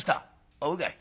「そうかい。